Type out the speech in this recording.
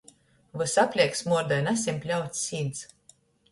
Vysapleik smuordoj naseņ pļauts sīns.